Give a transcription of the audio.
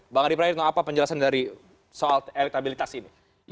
bang arief pradhan apa penjelasan dari soal electabilitas ini